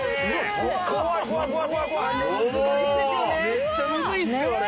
めっちゃむずいんすよあれ！